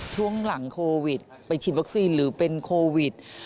ช่วงหลังโควิดไปฉีดวัคซีนหรือเป็นโควิด